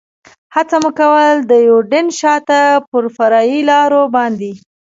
هڅه مو کول، د یوډین شاته پر فرعي لارو باندې.